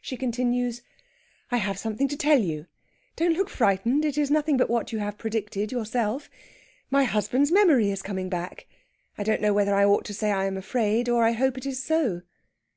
She continues: "I have something to tell you. Don't look frightened. It is nothing but what you have predicted yourself. My husband's memory is coming back. I don't know whether I ought to say I am afraid or I hope it is so...."